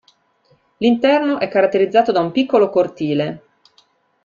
L'interno è caratterizzato da un piccolo cortile.